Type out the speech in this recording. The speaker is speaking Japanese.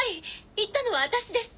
行ったのは私です！